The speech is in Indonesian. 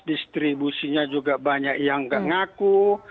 distribusinya juga banyak yang nggak ngaku